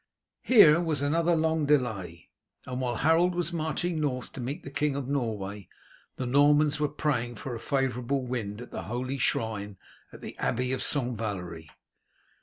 Here there was another long delay, and while Harold was marching north to meet the King of Norway the Normans were praying for a favourable wind at the holy shrine at the Abbey of St. Valery.